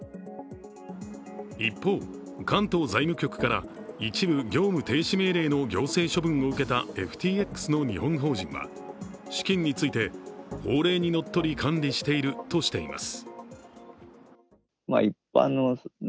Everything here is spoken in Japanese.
一方、関東財務局から一部業務停止命令の行政処分を受けたＦＴＸの日本法人は資金について、法令にのっとり管理しているとしています。